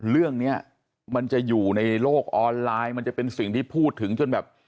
เรื่องนี้มันจะอยู่ในโลกออนไลน์มันจะเป็นสิ่งที่พูดถึงจนแบบ